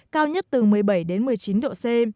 cao nhất từ một mươi bảy đến một mươi chín độ c